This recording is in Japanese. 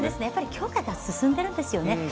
やっぱり強化が進んでいるんですよね。